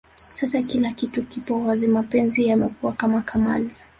Sasa kila kitu kipo wazi mapenzi yamekuwa kama kamali